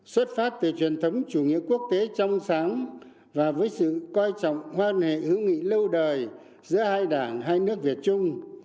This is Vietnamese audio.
xuất phát từ truyền thống chủ nghĩa quốc tế trong sáng và với sự quan hệ hữu nghị lâu đời giữa hai đảng hai nước việt chung